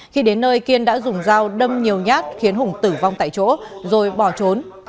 khi đến nơi kiên đã dùng dao đâm nhiều nhát khiến hùng tử vong tại chỗ rồi bỏ trốn